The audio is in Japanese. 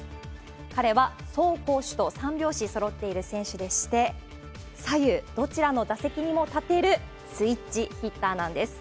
彼は走攻守と三拍子そろっている選手でして、左右どちらの打席にも立てるスイッチヒッターなんです。